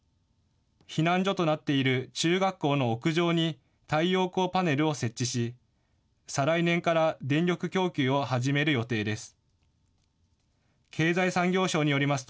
避難所となっている中学校の屋上に太陽光パネルを設置し、再来年から電力供給を始める予定です。